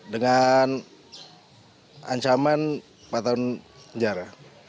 dengan ancaman empat tahun penjara